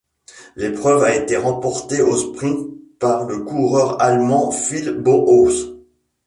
L'épreuve a été remportée au sprint par le coureur allemand Phil Bauhaus.